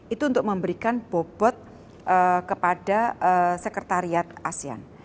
itu untuk memberikan bobot kepada sekretariat asean